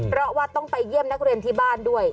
เพราะว่าต้องไปเยี่ยมนักเรียนที่บ้านด้วย